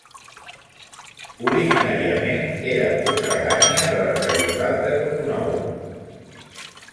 Originàriament era sufragània de l'arquebisbat de Cotonou.